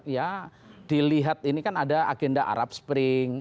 ya dilihat ini kan ada agenda arab spring